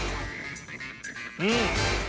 うん！